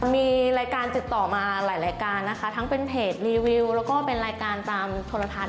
มีรายการติดต่อมาหลายรายการนะคะทั้งเป็นเพจรีวิวแล้วก็เป็นรายการตามโทรทัศน์